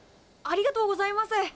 ありがとうございます。